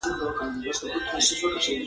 الماري د پتلون او کمیس مناسب ځای دی